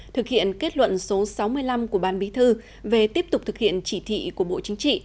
thực hiện kết luận số sáu mươi năm của ban bí thư về tiếp tục thực hiện chỉ thị của bộ chính trị